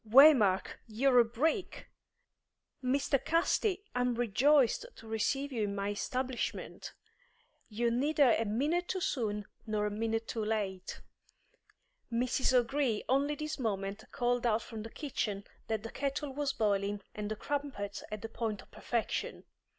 "Waymark, you're a brick! Mr. Casti, I'm rejoiced to receive you in my establishment! You're neither a minute too soon nor a minute too late. Mrs. O'Gree only this moment called out from the kitchen that the kettle was boiling and the crumpets at the point of perfection!